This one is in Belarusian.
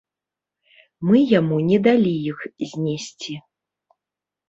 Мы яму не далі іх знесці.